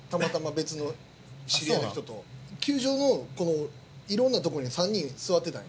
球場のいろんなとこに３人座ってたん。